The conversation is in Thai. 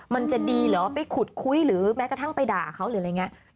มันจะดีเหรอไปขุดคุยหรือแม้กระทั่งไปด่าเขาหรืออะไรอย่างนี้